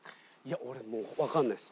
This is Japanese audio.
俺もうわかんないです